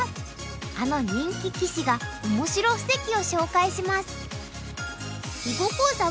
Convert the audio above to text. あの人気棋士がオモシロ布石を紹介します。